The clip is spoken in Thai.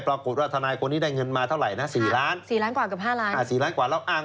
ปรากฏทนายคนนี้ได้เงินมาเท่าไร๔ล้าน